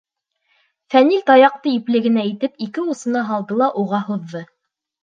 Фәнил таяҡты ипле генә итеп ике усына һалды ла уға һуҙҙы: